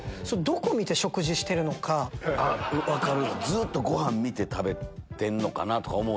ずっとご飯見て食べてんのかな？とか思うやろ。